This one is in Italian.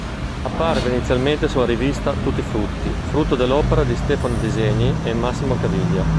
Apparve inizialmente sulla rivista "Tutti frutti", frutto dell'opera di Stefano Disegni e Massimo Caviglia.